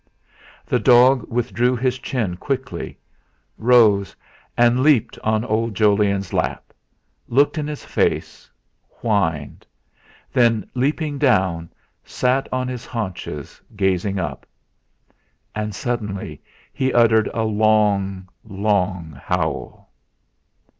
The dog withdrew his chin quickly, rose, and leaped on old Jolyon's lap, looked in his face, whined; then, leaping down, sat on his haunches, gazing up. And suddenly he uttered a long, long howl.